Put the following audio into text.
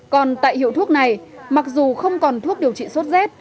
còn tại hiệu thuốc này mặc dù không còn thuốc điều trị sốt z